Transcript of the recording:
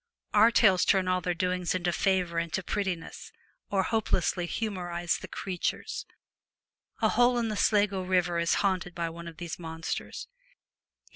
Our tales turn all their doings to favour and to prettiness, or hopelessly humorize the creatures. A hole in the Sligo river is haunted by one of these monsters.